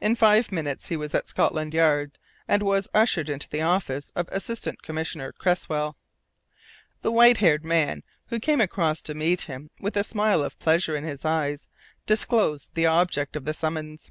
In five minutes he was at Scotland Yard and was ushered into the office of Assistant Commissioner Cresswell. The white haired man who came across to meet him with a smile of pleasure in his eyes disclosed the object of the summons.